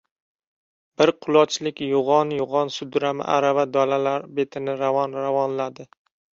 Bir qulochlik yo‘g‘on- yo‘g‘on sudrama arava dalalar betini ravon-ravonladi.